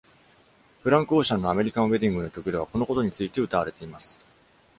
フランク・オーシャンの「アメリカン・ウェディング」の曲では、このことについて歌われています。